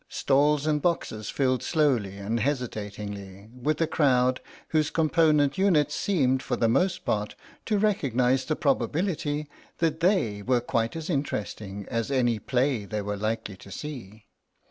Stalls and boxes filled slowly and hesitatingly with a crowd whose component units seemed for the most part to recognise the probability that they were quite as interesting as any play they were likely to see.